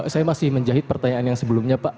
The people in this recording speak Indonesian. saya masih menjahit pertanyaan yang sebelumnya pak